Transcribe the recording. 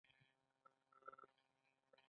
ټلېفون وکړم